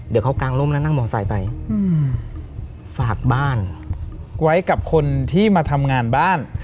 เดี๋ยวเขากางร่มแล้วนั่งมอไซค์ไปฝากบ้านไว้กับคนที่มาทำงานบ้าน